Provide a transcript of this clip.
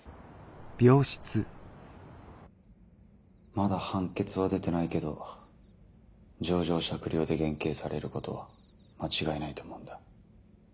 まだ判決は出てないけど情状酌量で減刑されることは間違いないと思うんだ。